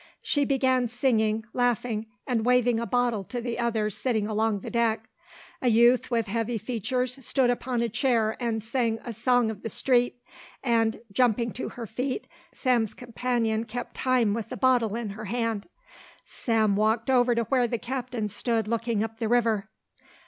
She began singing, laughing and waving a bottle to the others sitting along the deck. A youth with heavy features stood upon a chair and sang a song of the street, and, jumping to her feet, Sam's companion kept time with the bottle in her hand. Sam walked over to where the captain stood looking up the river.